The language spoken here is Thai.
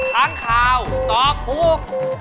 ค้างคาวตอบ